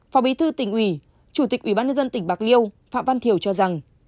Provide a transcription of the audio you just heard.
phó bí thư tỉnh ủy chủ tịch ủy ban nhân dân tỉnh bạc liêu phạm văn thiểu cho rằng